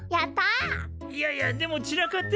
いやいやでも散らかってるよ？